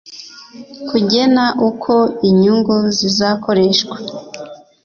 kugena uko inyungu zizakoreshwa